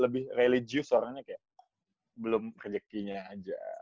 lebih religius orangnya kayak belum rejekinya aja